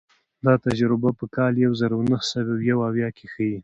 دا تجربه په کال یو زر نهه سوه یو اویا کې ښيي.